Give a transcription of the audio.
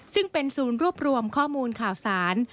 ซึ่งเป็นศูนย์รวบรวมข้อมูลข่าวสาร